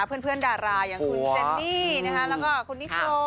เพื่อนดารายังคุณเซนลี่